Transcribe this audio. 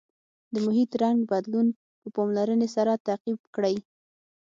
د محیط رنګ بدلون په پاملرنې سره تعقیب کړئ.